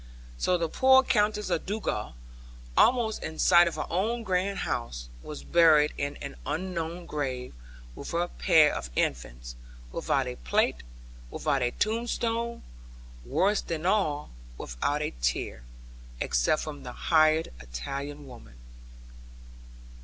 So the poor Countess of Dugal, almost in sight of her own grand house, was buried in an unknown grave, with her pair of infants, without a plate, without a tombstone (worse than all) without a tear, except from the hired Italian woman.